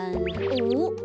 おっ！